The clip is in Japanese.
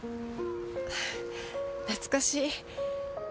懐かしい。